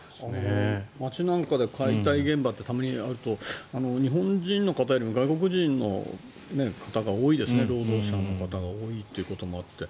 街なんかで解体現場ってたまにあうと日本人の方よりも外国人の方が多いですね、労働者の方が多いということもあって。